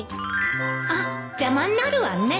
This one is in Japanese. あっ邪魔になるわね